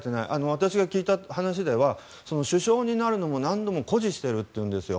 私が聞いた話では首相になるのを何度も固辞しているというんですよ。